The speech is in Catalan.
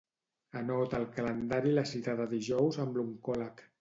Anota al calendari la cita de dijous amb l'oncòleg.